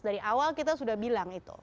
dari awal kita sudah bilang itu